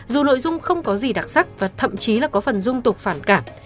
dù nội dung không có gì đặc sắc và thậm chí là có phần dung tục phản cảm